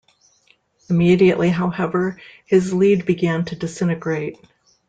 Immediately, however, his lead began to disintegrate.